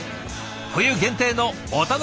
冬限定のお楽しみ！